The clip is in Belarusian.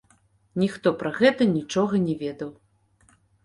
Ніхто пра гэта нічога не ведаў.